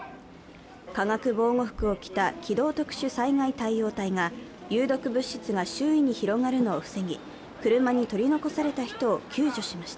化学防護服を着た機動特殊災害対応隊が有毒物質が周囲に広がるのを防ぎ、車に取り残された人を救助しました。